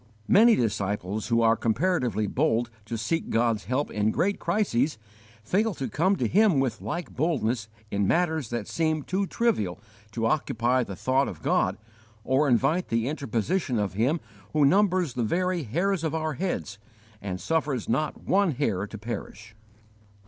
* Many disciples who are comparatively bold to seek God's help in great crises, fail to come to Him with like boldness in matters that seem too trivial to occupy the thought of God or invite the interposition of Him who numbers the very hairs of our heads and suffers not one hair to perish.